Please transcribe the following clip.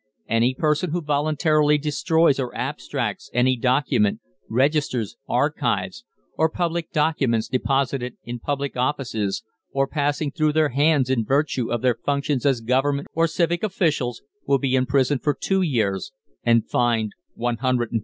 Any person who voluntarily destroys or abstracts any documents, registers, archives, or public documents deposited in public offices, or passing through their hands in virtue of their functions as government or civic officials, will be imprisoned for two years, and fined £150.